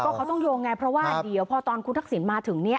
ก็เขาต้องโยงไงเพราะว่าเดี๋ยวพอตอนคุณทักศิลป์มาถึงเนี่ย